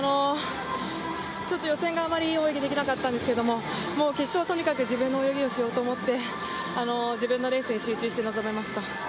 予選があまりいい泳ぎができなかったんですけどもう決勝、とにかく自分の泳ぎをしようと思って自分のレースに集中して臨めました。